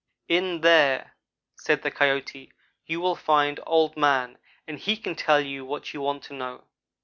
"'In there,' said the Coyote, 'you will find Old man and he can tell you what you want to know.'